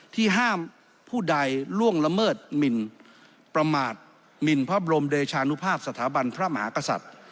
ห้ามผู้ใดล่วงละเมิดหมินประมาทหมินพระบรมเดชานุภาพสถาบันพระมหากษัตริย์